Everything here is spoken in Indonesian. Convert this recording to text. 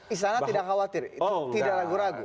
istana tidak khawatir itu tidak ragu ragu